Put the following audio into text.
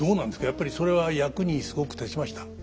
やっぱりそれは役にすごく立ちました？